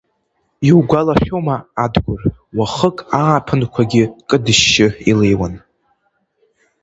Иугәалашәома, Адгәыр, уахык ааԥынқәагьы кыдышьшьы илеиуан.